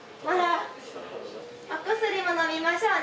お薬ものみましょうね。